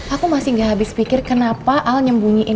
aku masih gak habis pikir kenapa al nyembunyiin